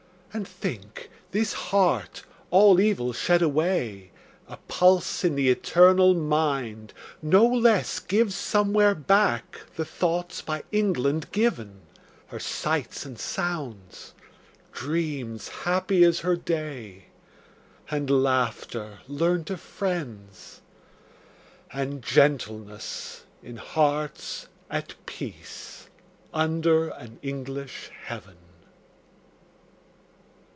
And think, this heart, all evil shed away, A pulse in the eternal mind, no less Gives somewhere back the thoughts by England given; Her sights and sounds; dreams happy as her day; And laughter, learnt of friends; and gentleness, In hearts at peace, under an English heaven.